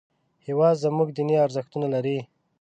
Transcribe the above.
هېواد زموږ دیني ارزښتونه لري